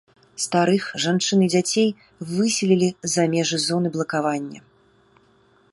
Старых, жанчын і дзяцей выселілі за межы зоны блакавання.